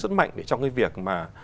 rất mạnh trong cái việc mà